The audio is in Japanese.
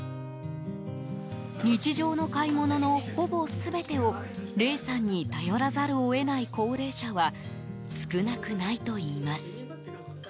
日常の買い物のほぼ全てを玲さんに頼らざるを得ない高齢者は少なくないといいます。